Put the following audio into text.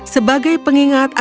sebagai pengingat akan penyembah